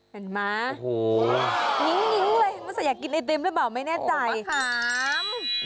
เป็นมะวิ่งเลยไม่ว่าอยากกินไอติมเลยบ่ไม่แน่ใจมะขาม